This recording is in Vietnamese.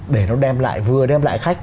để nó vừa đem lại khách